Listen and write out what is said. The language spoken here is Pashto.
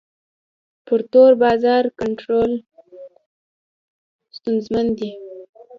پر تور بازار کنټرول ستونزمن دی.